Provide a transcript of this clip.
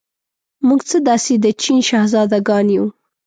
موږ څه داسې د چین شهزادګان یو.